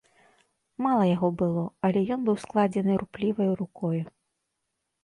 Мала яго было, але ён быў складзены рупліваю рукою.